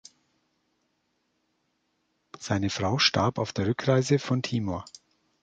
Seine Frau starb auf der Rückreise von Timor.